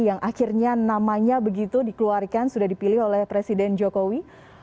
yang akhirnya namanya begitu dikeluarkan sudah dipilih oleh presiden jokowi